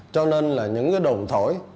cho nên là những cái đồn thổi